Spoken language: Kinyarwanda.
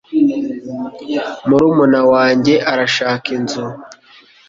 Murumuna wanjye arashaka inzu.